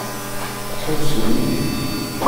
Ad tḥewwsem yid-i?